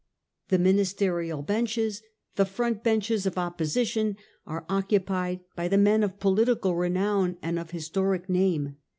The ministerial benches, the front benches of opposition, are occupied by the men of political renown and of historic name.